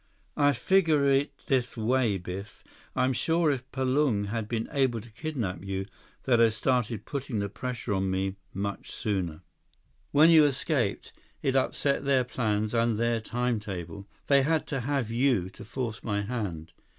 "I figure it this way, Biff. I'm sure if Palung had been able to kidnap you, they'd have started putting the pressure on me much sooner. When you escaped, it upset their plans and their timetable. They had to have you to force my hand."